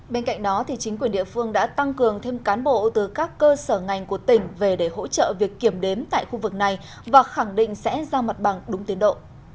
bên cạnh đó chính quyền địa phương đã tăng cường thêm cán bộ từ các cơ sở ngành của tỉnh về để hỗ trợ việc kiểm đếm tại khu vực này và khẳng định sẽ giao mặt bằng đúng tiến độ